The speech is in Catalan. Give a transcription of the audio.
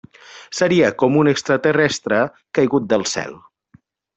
Seria com un extraterrestre caigut del cel.